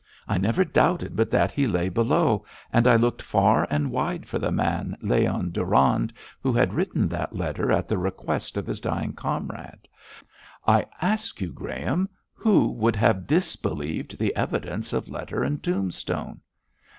I never doubted but that he lay below, and I looked far and wide for the man, Leon Durand, who had written that letter at the request of his dying comrade. I ask you, Graham, who would have disbelieved the evidence of letter and tombstone?'